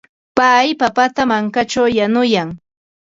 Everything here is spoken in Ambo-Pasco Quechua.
Pay papata mankaćhaw yanuyan.